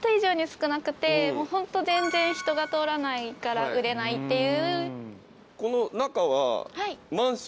ホント全然人が通らないから売れないっていう。